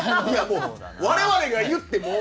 我々が言って、もう！